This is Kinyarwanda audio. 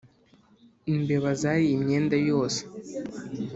Imbeba zariye imyenda yose